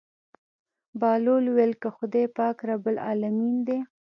بهلول وويل که خداى پاک رب العلمين دى.